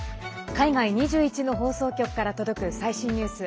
海外２１の放送局から届く最新ニュース。